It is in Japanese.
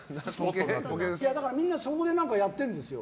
みんなそこでやってるんですよ。